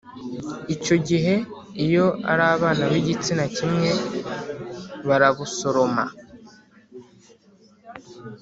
lcyo gihe, iyo ari abana b'igitsina kimwe, barabusoroma,